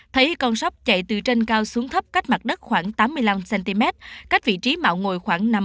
thấy con sốc chạy từ trên cao xuống thấp cách mặt đất khoảng tám mươi năm cm cách vị trí mạo ngồi khoảng năm m